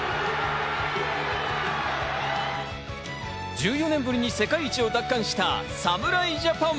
１４年ぶりに世界一を奪還した侍ジャパン。